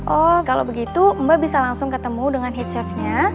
oh kalau begitu mbak bisa langsung ketemu dengan heat chefnya